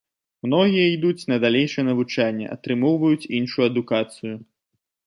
Многія ідуць на далейшае навучанне, атрымоўваюць іншую адукацыю.